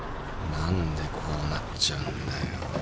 何でこうなっちゃうんだよ。